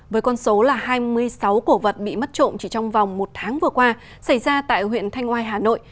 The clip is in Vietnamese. với con số là hai mươi sáu cổ vật bị mất trộm chỉ trong vòng một tháng vừa qua xảy ra tại huyện thanh oai hà nội